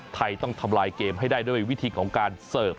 ไทยต้องทำลายเกมให้ได้ด้วยวิธีของการเสิร์ฟ